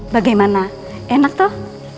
bagaimana enak tuh